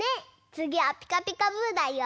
つぎは「ピカピカブ！」だよ！